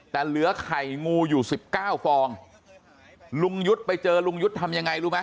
แต่เหลือไข่งูอยู่สิบเก้าฟองลุงยุทธ์ไปเจอลุงยุทธ์ทำยังไงรู้ไหม